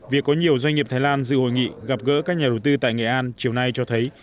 việc có nhiều doanh nghiệp thái lan dự hội nghị gặp gỡ các nhà đầu tư tại nghệ an chiều nay cho thấy